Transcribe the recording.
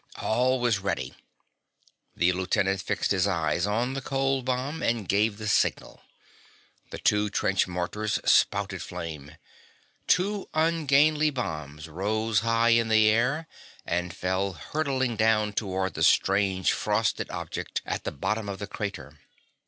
All was ready. The lieutenant fixed his eyes on the cold bomb and gave the signal. The two small trench mortars spouted flame. Two ungainly bombs rose high in the air and fell hurtling down toward the strange, frosted object at the bottom of the crater.